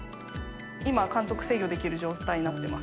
今、監督を制御できる状態になっています。